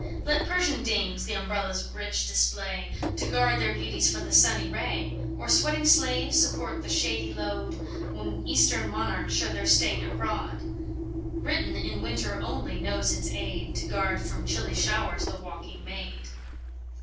Let Persian dames th' umbrellas rich display, To guard their beauties from the sunny ray, Or sweating slaves support the shady load, When Eastern monarchs show their state abroad, Britain in winter only knows its aid To guard from chilly showers the walking maid."